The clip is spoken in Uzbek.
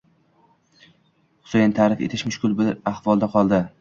Xusayin ta'rif etish mushkul bir ahvolda qoldi.